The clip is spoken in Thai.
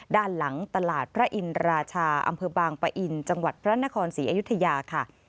ด้านหลังตลาดพระอินราชาอำเภอบางปะอินจังหวัดพระนครศรีอยุธยาค่ะ